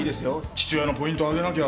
父親のポイント上げなきゃ。